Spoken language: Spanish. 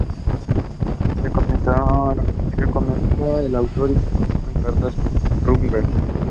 Se conmemora al autor y se consumen "Tartas de Runeberg".